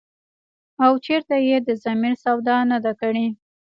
او چرته ئې د ضمير سودا نه ده کړې ۔”